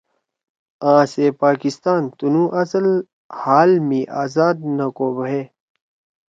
آں سے پاکستان تنُو اصل حال می آزاد نو کو بھے